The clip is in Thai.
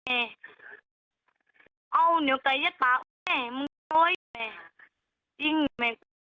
เอาเหนียวกัยยัยตาเข้ี้ยมึงโป๊ะอิะแม่